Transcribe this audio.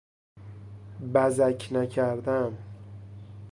بزک نکردن